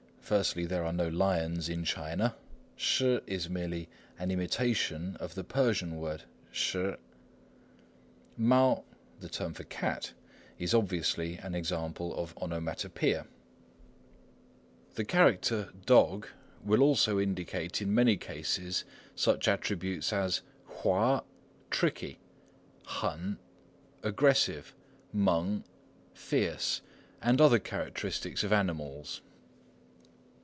(1) There are no lions in China; shih is merely an imitation of the Persian word shír. (2) Mao, the term for a "cat," is obviously an example of onomatopoeia. The character 犭 will also indicate in many cases such attributes as 猾 hua "tricky," 狠 hên, "aggressive," 猛 mêng "fierce," and other characteristics of animals.